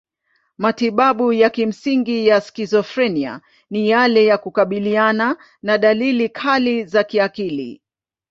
Matibabu ya kimsingi ya skizofrenia ni yale ya kukabiliana na dalili kali za kiakili.